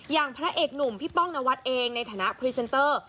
อย่างพระเอกหนุ่มพี่ป้องนวัดเองในฐานะพรีเซนเตอร์